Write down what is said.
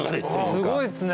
すごいっすね。